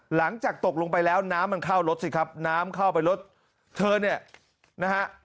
หลังจากตกลงไปแล้วน้ำมันเข้ารถสิครับน้ำเข้าไปรถเธอเนี่ยนะฮะ